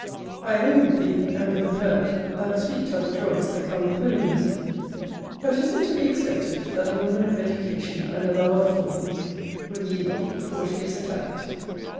I own with thee, and with the poet, that sweet are the joys that come with willingness But is it to be expected, that a woman of education, and a lover of forms, will yield before she is attacked?